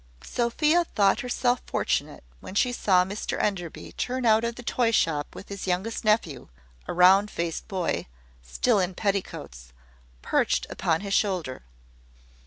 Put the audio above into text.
Sophia thought herself fortunate when she saw Mr Enderby turn out of the toy shop with his youngest nephew, a round faced boy, still in petticoats, perched upon his shoulder.